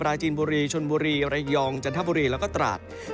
จีนบุรีชนบุรีระยองจันทบุรีแล้วก็ตราด